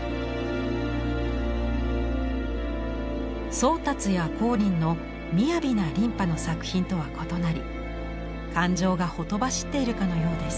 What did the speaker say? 宗達や光琳の雅な琳派の作品とは異なり感情がほとばしっているかのようです。